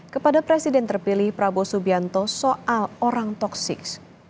kepada presiden terpilih prabowo subianto soal orang toksik